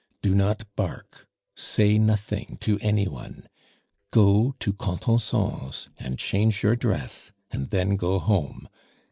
Do not bark, say nothing to any one; go to Contenson's, and change your dress, and then go home.